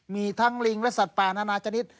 มีทางลิงและสัตว์ปลานนาจณิษฐ์